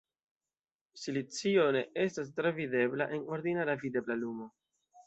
Silicio ne estas travidebla en ordinara videbla lumo.